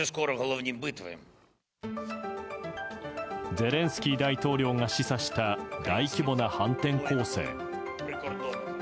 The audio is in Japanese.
ゼレンスキー大統領が示唆した大規模な反転攻勢。